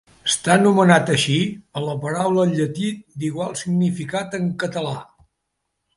Està nomenat així per la paraula en llatí d'igual significat en català.